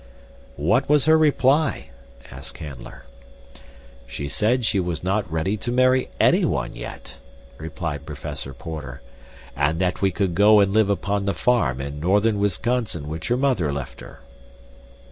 "What was her reply?" asked Canler. "She said she was not ready to marry anyone yet," replied Professor Porter, "and that we could go and live upon the farm in northern Wisconsin which her mother left her.